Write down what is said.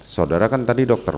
saudara kan tadi dokter